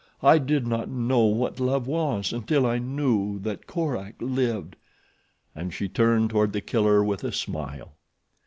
I did not know what love was until I knew that Korak lived," and she turned toward The Killer with a smile.